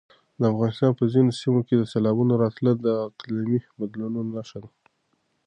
د افغانستان په ځینو سیمو کې د سېلابونو راتلل د اقلیمي بدلون نښه ده.